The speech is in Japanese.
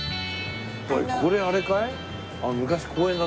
これあれかい？